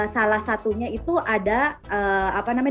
salah satunya itu ada apa namanya